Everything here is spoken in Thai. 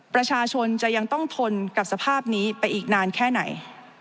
ประชาชนจะยังต้องทนกับสภาพนี้ไปอีกนานแค่ไหน